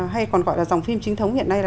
hay còn gọi là dòng phim chính thống hiện nay là